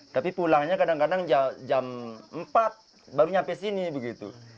tapi pulangnya kadang kadang jam empat baru sampai sini